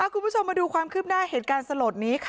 คุณผู้ชมมาดูความคลึกหน้าเหตุการณ์โสดนี้